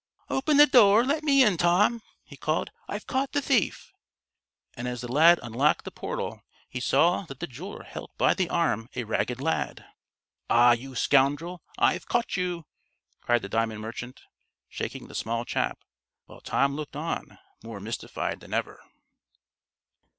"Open the door! Let me in, Tom!" he called. "I've caught the thief," and as the lad unlocked the portal he saw that the jeweler held by the arm a ragged lad. "Ah; you scoundrel! I've caught you!" cried the diamond merchant, shaking the small chap, while Tom looked on, more mystified than ever.